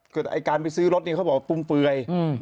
ไอ้การไปซื้อรถเนี่ยเขาบอกว่าฟุ่มเฟือย